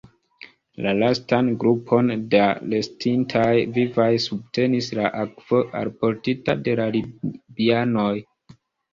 La lastan grupon da restintaj vivaj subtenis la akvo, alportita de la libianoj.